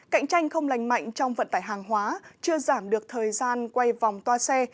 cạnh tranh không lành mạnh trong vận tải hàng hóa chưa giảm được thời gian quay vòng toa xe